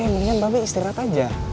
mendingan mbak be istirahat aja